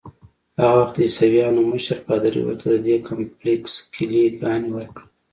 هغه وخت د عیسویانو مشر پادري ورته ددې کمپلیکس کیلې ګانې ورکړې.